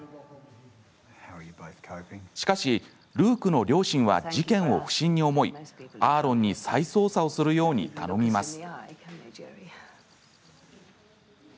しかし、ルークの両親は事件を不審に思い、アーロンに再捜査をするように頼みます。